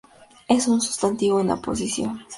Es un sustantivo en aposición.